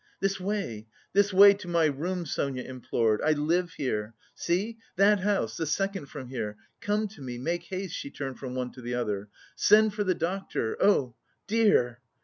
"This way, this way, to my room!" Sonia implored. "I live here!... See, that house, the second from here.... Come to me, make haste," she turned from one to the other. "Send for the doctor! Oh, dear!"